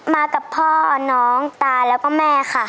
มากับพ่อน้องตาแล้วก็แม่ค่ะ